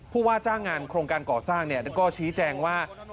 ผู้ว่าจ้างงานโครงการก่อสร้างก็ชี้แจงว่า